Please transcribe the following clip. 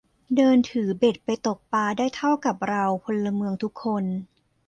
เดินถือเบ็ดไปตกปลาได้เท่ากับเราพลเมืองทุกคน